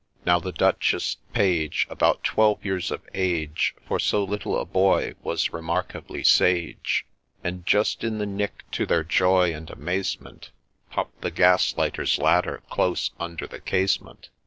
Now the Duchess's Page, About twelve years of age, For so little a boy was remarkably sage ; And just in the nick, to their joy and amazement, Popp'd the Gas lighter's ladder close under the casement.